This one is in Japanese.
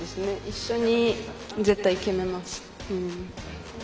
一緒に絶対決めます。